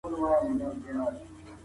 دولت ټول کارونه پخپله نه کوي.